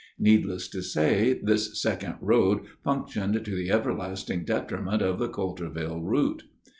Needless to say, this second road functioned to the everlasting detriment of the Coulterville route.